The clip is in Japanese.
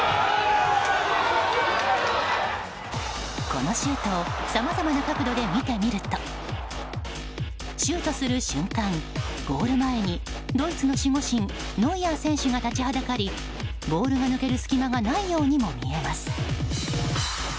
このシュートをさまざまな角度で見てみるとシュートする瞬間、ゴール前にドイツの守護神ノイアー選手が立ちはだかりボールが抜ける隙間がないようにも見えます。